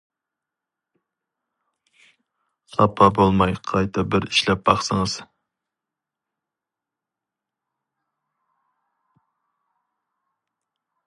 خاپا بولماي قايتا بىر ئىشلەپ باقسىڭىز.